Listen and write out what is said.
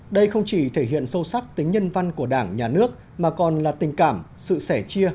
đây không chỉ thể hiện sâu sắc tính nhân văn của đảng nhà nước mà còn là tình cảm sự sẻ chia